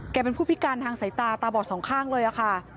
เป็นผู้พิการทางสายตาตาบอดสองข้างเลยค่ะ